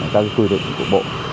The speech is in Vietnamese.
các quy định của bộ